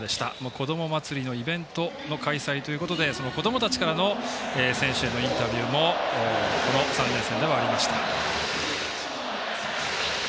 こどもまつりのイベントの開催ということで、こどもたちからの選手へのインタビューもこの３連戦ではありました。